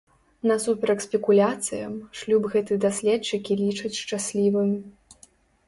Насуперак спекуляцыям, шлюб гэты даследчыкі лічаць шчаслівым.